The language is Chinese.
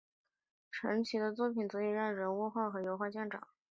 陈奇的作品以人物画和油画见长。